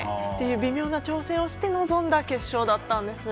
微妙な調整をして臨んだ決勝だったんです。